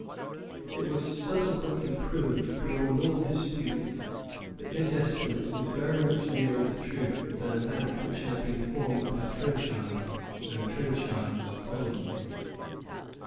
It was subsequently proved, beyond all dispute, that this estimate was very much nearer the truth than that which had been formed by Trenchard and Trenchard's colleagues.